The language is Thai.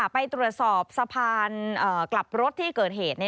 ไปตรวจสอบสะพานกลับรถที่เกิดเหตุ